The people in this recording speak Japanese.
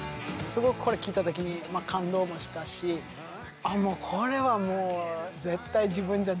これ聴いた時に感動もしたしこれはもう絶対。